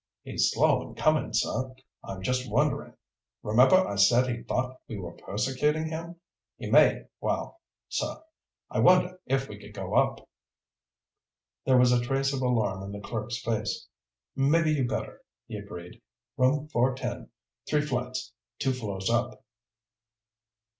"He's slow in coming, sir. I'm just wondering. Remember I said he thought we were persecuting him? He may ... well, sir, I wonder if we could go up?" There was a trace of alarm in the clerk's face. "Maybe you better," he agreed. "Room 410. Three flights. Two floors up."